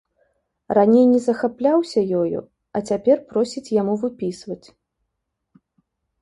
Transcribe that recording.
Раней не захапляўся ёю, а цяпер просіць яму выпісваць.